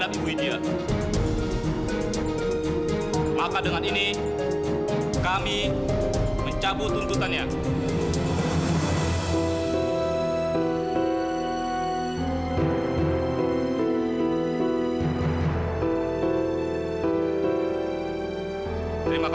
terima kasih banyak nek